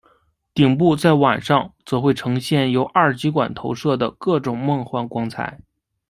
顶部在晚上则会呈现由二极管投射的各种梦幻光彩。